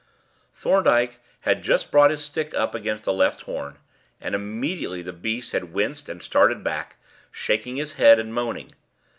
Thorndyke had just brought his stick up against the left horn, and immediately the beast had winced and started back, shaking his head and moaning.